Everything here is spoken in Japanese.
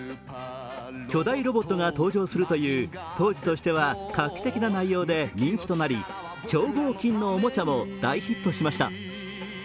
巨大ロボットが登場するという当時としては画期的な内容で人気となり、超合金のおもちゃも大ヒットしました。